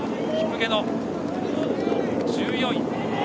１４位。